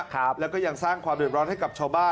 ครับแล้วก็ยังสร้างความเดือดร้อนให้กับชาวบ้าน